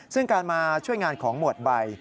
ซึ่งการมาช่วยงานของหมวดใบ